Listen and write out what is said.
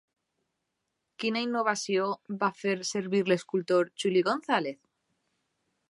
Quina innovació va fer servir l'escultor Juli González?